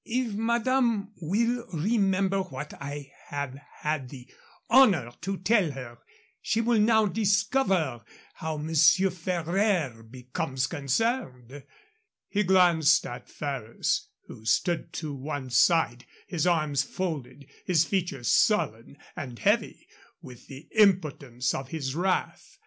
"If madame will remember what I have had the honor to tell her, she will now discover how Monsieur Ferraire becomes concerned." He glanced at Ferrers, who stood to one side, his arms folded, his features sullen and heavy with the impotence of his wrath.